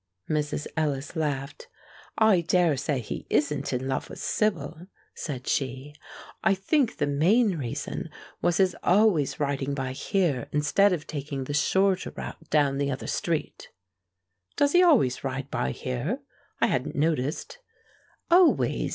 Mrs. Ellis laughed. "I dare say he isn't in love with Sibyl," said she. "I think the main reason was his always riding by here instead of taking the shorter road down the other street." "Does he always ride by here? I hadn't noticed." "Always!"